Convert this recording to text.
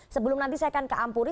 sebelum nanti saya akan ke ampuri